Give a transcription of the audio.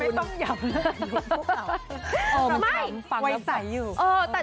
คุณไม่ต้องหยับเรื่องอายุพวกเราโอ้มคำฟังแล้วฟัง